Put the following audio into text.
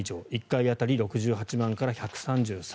１回当たり６８万から１３３万。